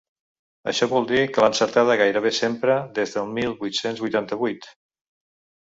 Això vol dir que l’ha encertada gairebé sempre des del mil vuit-cents vuitanta-vuit!